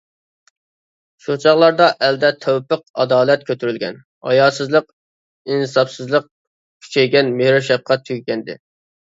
شۇ چاغلاردا ئەلدە تەۋپىق ئادالەت كۆتۈرۈلگەن، ھاياسىزلىق، ئىنسابسىزلىق كۈچەيگەن، مېھىر-شەپقەت تۈگىگەنىدى!